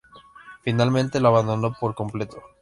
Finalmente lo abandona por completo.